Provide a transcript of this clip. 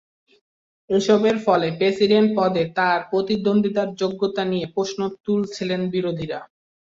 এসবের ফলে প্রেসিডেন্ট পদে তাঁর প্রতিদ্বন্দ্বিতার যোগ্যতা নিয়ে প্রশ্ন তুলছেন বিরোধীরা।